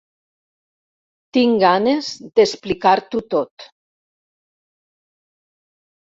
Tinc ganes d'explicar-t'ho tot.